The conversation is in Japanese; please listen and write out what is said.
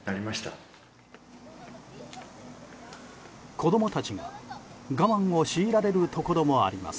子供たちが我慢を強いられるところもあります。